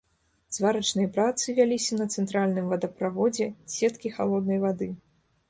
Зварачныя працы вяліся на цэнтральным вадаправодзе сеткі халоднай вады.